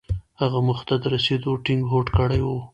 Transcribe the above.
هغه موخې ته د رسېدو ټينګ هوډ کړی و.